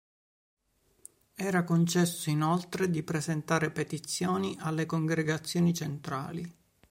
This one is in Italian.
Era concesso inoltre di presentare petizioni alle congregazioni centrali.